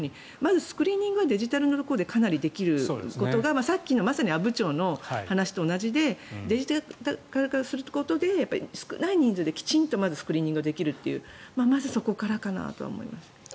スクリーニングはデジタルのところでかなりできることがさっきの阿武町の話と同じでデジタル化することで少ない人数できちんとスクリーニングできるというまず、そこからかなと思います。